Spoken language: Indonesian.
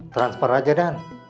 transfer aja dan